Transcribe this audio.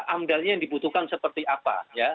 amdalnya yang dibutuhkan seperti apa